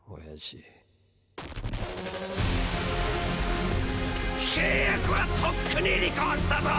現在契約はとっくに履行したぞ！